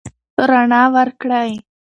رڼا ورکړئ.